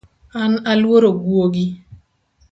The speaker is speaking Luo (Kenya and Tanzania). An aluoro gwogi